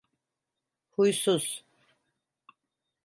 Huysuz!